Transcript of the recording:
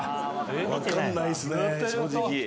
わかんないっすね正直。